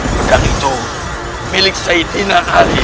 pedang itu milik saidina khalil